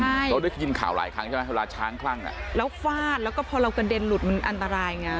ใช่เราได้ยินข่าวหลายครั้งใช่ไหมเวลาช้างคลั่งอ่ะเราฟาดแล้วก็พอเรามันอันตรายไง